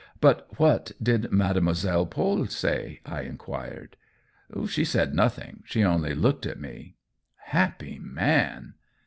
But what did Mademoi selle Paule say ?" I inquired. " She said nothing — she only looked at me." " Happy man